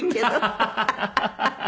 ハハハハ。